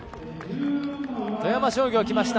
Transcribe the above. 富山商業きました。